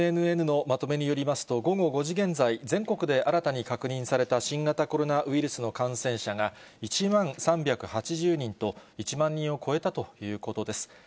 ＮＮＮのまとめによりますと、午後５時現在、全国で新たに確認された新型コロナウイルスの感染者が、１万３８０人と、１万人を超えたということです。